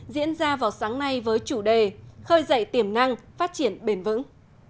diễn ra vào sáng nay với chủ đề khơi dậy tiềm năng phát triển bền vững